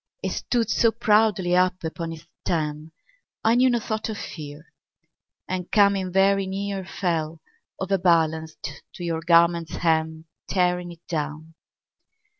It stood so proudly up upon its stem, I knew no thought of fear, And coming very near Fell, overbalanced, to your garment's hem, Tearing it down.